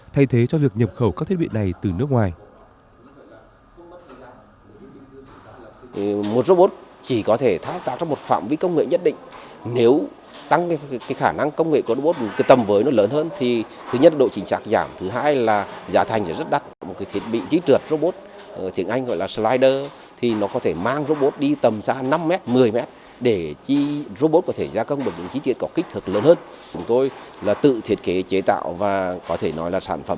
thay thế cho việc nhập khẩu các thiết bị này từ nước ngoài